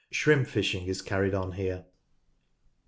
Shrimp fishing is carried on here, (pp.